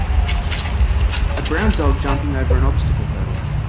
A brown dog jumping over an obstacle hurdle.